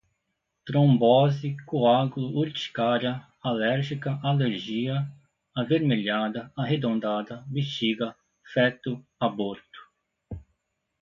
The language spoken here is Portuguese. trombose, coágulo, urticaria, alérgica, alergia, avermelhada, arredondada, bexiga, feto, aborto